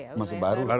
termasuk baru baru baru